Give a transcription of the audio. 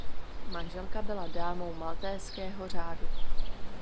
Manželka byla dámou Maltézského řádu.